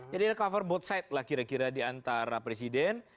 jadi cover both sides lah kira kira diantara presiden